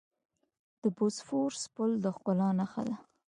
د بوسفورس پل د ښکلا نښه ده.